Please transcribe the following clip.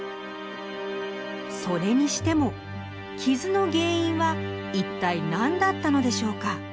それにしても傷の原因は一体何だったのでしょうか？